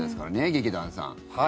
劇団さん。